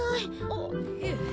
あっいえ。